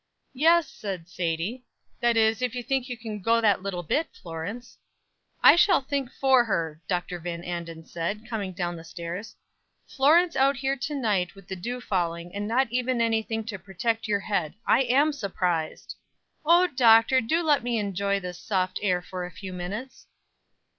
"Yes," said Sadie. "That is if you think you can go that little bit, Florence." "I shall think for her," Dr. Van Anden said, coming down the stairs. "Florence out here to night, with the dew falling, and not even any thing to protect your head. I am surprised!" "Oh, Doctor, do let me enjoy this soft air for a few minutes."